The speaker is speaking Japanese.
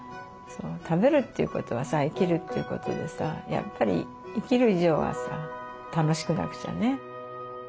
食べるっていうことはさ生きるっていうことでさやっぱり生きる以上はさ楽しくなくちゃね。